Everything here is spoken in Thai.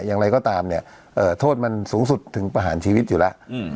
อย่างไรก็ตามเนี่ยโทษมันสูงสุดถึงประหารชีวิตอยู่แล้ว